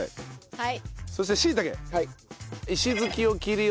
はい。